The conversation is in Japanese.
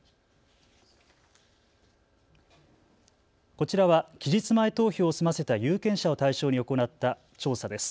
こちらは期日前投票を済ませた有権者を対象に行った調査です。